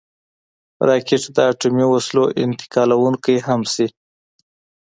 راکټ د اټومي وسلو انتقالونکی هم شي